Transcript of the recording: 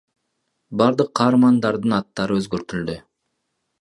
Бардык каармандардын аттары өзгөртүлдү.